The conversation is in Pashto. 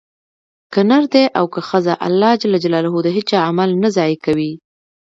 که نر دی او که ښځه؛ الله د هيچا عمل نه ضائع کوي